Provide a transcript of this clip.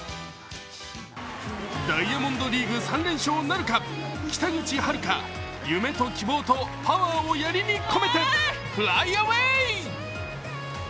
ダイヤモンドリーグ３連勝なるか夢と希望とパワーをやりに込めて、フライアウェイ！